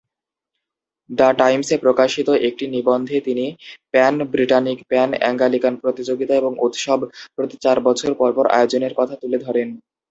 The টাইমসে প্রকাশিত একটি নিবন্ধে তিনি "প্যান-ব্রিটানিক-প্যান-অ্যাঙ্গলিকান প্রতিযোগিতা এবং উৎসব" প্রতি চার বছর পরপর আয়োজনের কথা তুলে ধরেন।